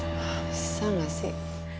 bisa gak sih